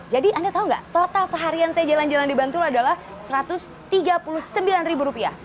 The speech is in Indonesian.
jadi anda tahu nggak total seharian saya jalan jalan di bantul adalah rp satu ratus tiga puluh sembilan